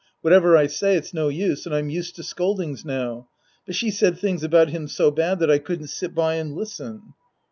Whatever I say, it's no use, and I'm used to scoldings now. But she said things about him so bad that I couldn't sit by and listen.